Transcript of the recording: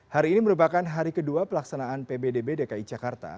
hari ini merupakan hari kedua pelaksanaan pbdb dki jakarta